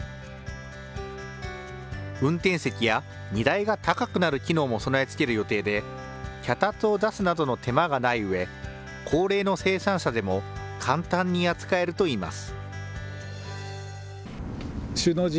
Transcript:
運転席や荷台が高くなる機能も備え付ける予定で、脚立を出すなどの手間がないうえ、高齢の生産者でも簡単に扱えるといいます。